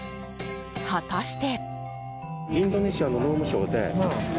果たして。